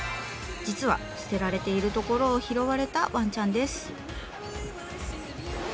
実は捨てられているところを拾われたわんちゃんです。